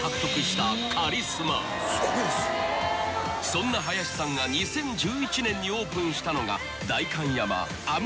［そんな林さんが２０１１年にオープンしたのが］